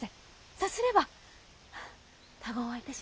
さすれば他言はいたしませぬ。